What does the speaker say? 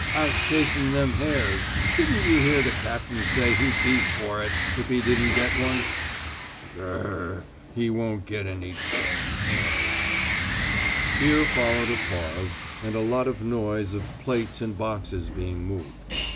"Out chasing them hares. Didn't you hear the Captain say he'd be for it, if he didn't get one?" "Gr r r. He won't get any hares." Here followed a pause, and a lot of noise of plates and boxes being moved.